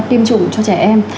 tiêm chủng cho trẻ em